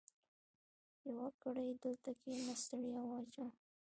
يوه ګړۍ دلته کېنه؛ ستړیا واچوه.